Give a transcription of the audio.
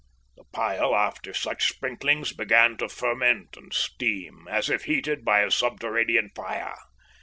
The pile after such sprinklings began to ferment and steam, as if heated by a subterranean fire.